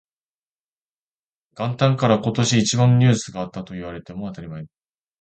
元旦から今年一番のニュースがあったと言われても当たり前